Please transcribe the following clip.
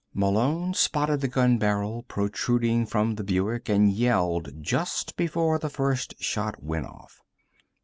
Malone spotted the gun barrel protruding from the Buick and yelled just before the first shot went off.